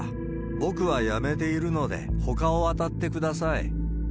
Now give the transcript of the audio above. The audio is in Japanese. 僕はやめているので、ほかを当たってください。